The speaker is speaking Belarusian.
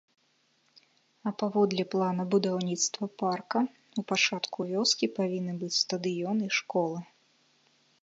А паводле плана будаўніцтва парка, у пачатку вёскі павінны быць стадыён і школа.